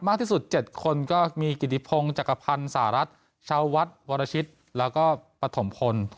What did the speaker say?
มากที่สุด๗คนก็มีกิติพงศ์จักรพันธ์สหรัฐชาววัดวรชิตแล้วก็ปฐมพล